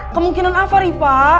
kemungkinan apa ripa